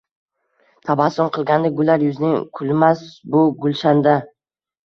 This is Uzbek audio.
Tabassum qilsada gullar yuzing kulmas bu gulshanda